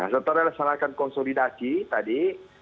setelah dilaksanakan konsolidasi tadi